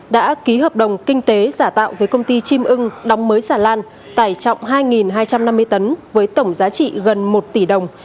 đã ký hợp đồng kinh tế giả tạo với công ty chim ưng đóng mới xà lan tải trọng hai hai trăm năm mươi tấn với tổng giá trị gần một tỷ đồng